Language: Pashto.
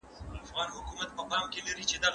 زه له سهاره کتاب وليکم؟!؟!